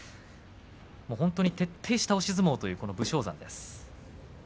本当に、徹底した押し相撲の武将山です。